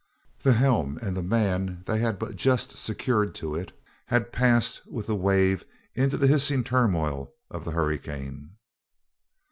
The helm and the man they had but just secured to it had passed with the wave into the hissing turmoil of the hurricane.